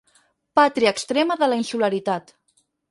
Pàtria extrema de la insularitat.